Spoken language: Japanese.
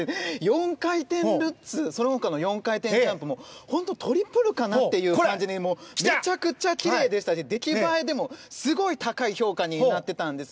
４回転ルッツやその他の４回転ジャンプもトリプルかなと思うぐらいめちゃくちゃきれいでしたし出来栄えでもすごい高い評価になっていたんです。